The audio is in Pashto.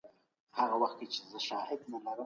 تاريخ پوهانو له پخوا څخه د اسلامي تمدن څېړنه کوله.